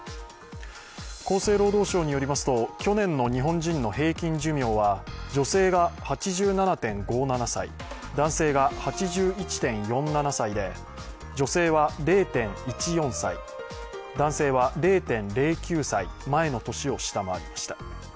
厚生労働省によりますと去年の日本人の平均寿命は女性が８７．５７歳男性が８１．４７歳で女性は０．１４歳、男性は０．０９歳、前の年を下回りました。